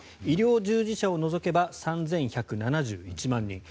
医療従事者を除けば３１７１万人